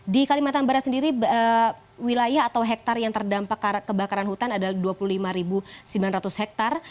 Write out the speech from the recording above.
di kalimantan barat sendiri wilayah atau hektare yang terdampak kebakaran hutan adalah dua puluh lima sembilan ratus hektare